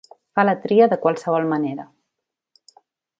Fa la tria de qualsevol manera.